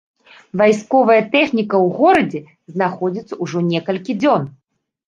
Вайсковая тэхніка ў горадзе знаходзіцца ўжо некалькі дзён.